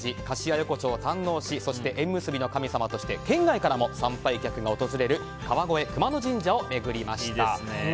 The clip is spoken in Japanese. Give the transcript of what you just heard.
菓子屋横丁を堪能しそして縁結びの神様として県外からも参拝客が訪れる川越熊野神社を堪能しました。